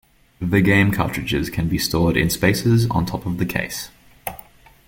The game cartridges can be stored in spaces on top of the case.